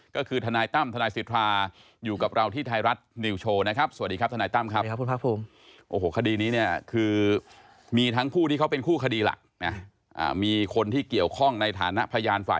ก็คือธนายตั้มธนายสิทธาอยู่กับเราที่ไทยรัฐนิวโชว์นะครับ